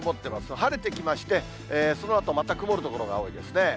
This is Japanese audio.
晴れてきまして、そのあとまた曇る所が多いですね。